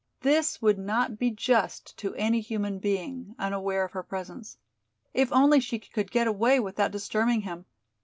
This would not be just to any human being, unaware of her presence. If only she could get away without disturbing him!